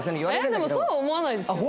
でもそうは思わないですけど。